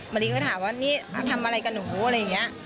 มะลิเค้าถามว่านี่ทำอะไรกับหนูอะไรอย่างเงี้ย